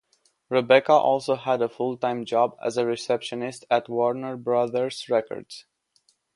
Rebecca also had a full-time job as a receptionist at Warner Brothers Records.